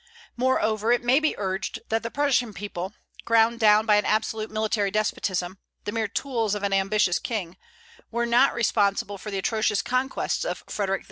Moreover, it may be urged that the Prussian people, ground down by an absolute military despotism, the mere tools of an ambitious king, were not responsible for the atrocious conquests of Frederic II.